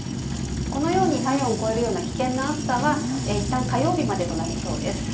このように体温を超えるような危険な暑さはいったん火曜日までとなりそうです。